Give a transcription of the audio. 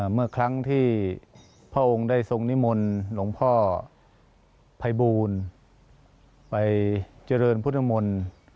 เมื่อครั้งที่พระองค์ได้ทรงนิมนต์หลวงพ่อภัยบูลไปเจริญพุทธมนต์